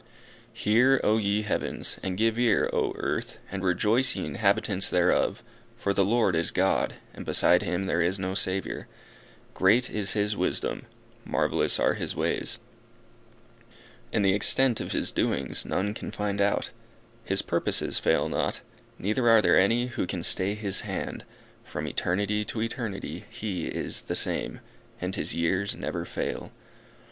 "Hear, O ye heavens, and give ear, O earth, and rejoice, ye inhabitants thereof, for the Lord is God, and beside him there is no Saviour: great is His wisdom, marvellous are His ways, and the extent of His doings none can find out; His purposes fail not, neither are there any who can stay His hand; from eternity to eternity He is the same, and His years never fail.